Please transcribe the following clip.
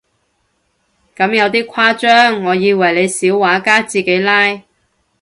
咁有啲誇張，我以為你小畫家自己拉